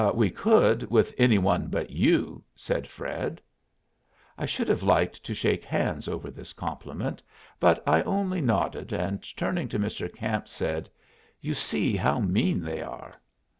"We could with any one but you," said Fred. I should have liked to shake hands over this compliment, but I only nodded, and turning to Mr. Camp, said, "You see how mean they are."